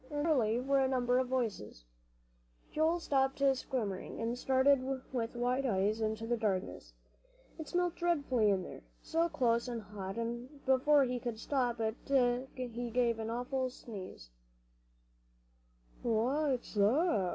And there surely were a number of voices. Joel stopped squirming, and stared with wide eyes into the darkness. It smelt dreadfully in there, so close and hot, and before he could stop it he gave an awful sneeze. "What's that?"